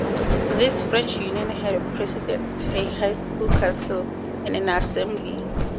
This French Union had a President, a High Council and an Assembly.